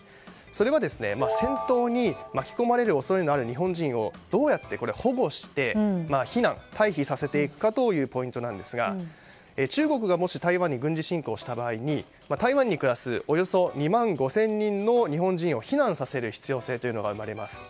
それは戦闘に巻き込まれる恐れのある日本人をどうやって保護して避難退避させていくかというポイントなんですが中国が、もし台湾に軍事侵攻した場合台湾に暮らすおよそ２万５０００人の日本人を避難させる必要性が生まれます。